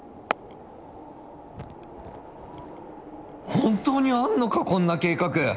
本当にあんのかこんな計画！？